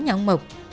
nhà ông mộc